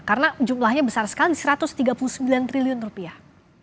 karena jumlahnya besar sekali satu ratus tiga puluh sembilan triliun rupiah